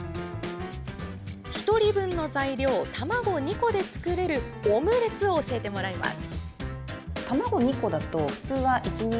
１人分の材料、卵２個で作れるオムレツを教えてもらいます。